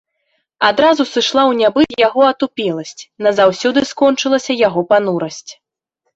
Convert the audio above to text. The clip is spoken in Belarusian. Адразу сышла ў нябыт яго атупеласць, назаўсёды скончылася яго панурасць.